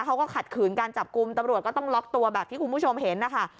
เขาก็ขัดขืนการจับกลุ่มตำรวจก็ต้องล็อกตัวแบบที่คุณผู้ชมเห็นนะคะ